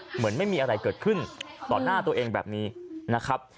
เหมือนไม่มีอะไรเกิดขึ้นต่อหน้าตัวเองแบบนี้นะครับ